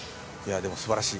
でも、すばらしい。